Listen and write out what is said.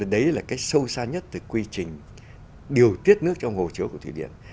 đấy là cái sâu xa nhất từ quy trình điều tiết nước trong hồ chứa của thủy điện